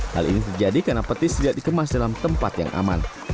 hal ini terjadi karena petis tidak dikemas dalam tempat yang aman